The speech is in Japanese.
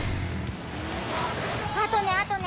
あとね